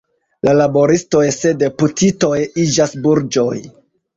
La laboristoj se deputitoj iĝas burĝoj.